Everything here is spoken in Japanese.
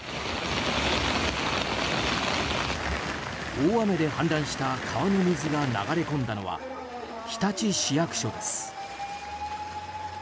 大雨で氾濫した川の水が流れ込んだのは日立市役所です。